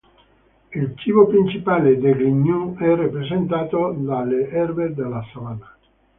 Il cibo principale degli gnu è rappresentato dalle erbe della savana.